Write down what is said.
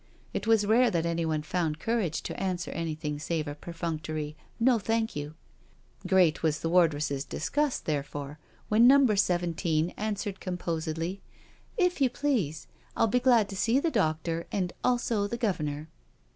It was rare that anyone found courage to answer anything save a perfunctory " No, thank you." Great was the wardress's disgust, therefore, when Number Seventeen answered composedly; BEHIND PRISON BARS 257 " If you please. I'll be glad to see the doctor and also the Governor.'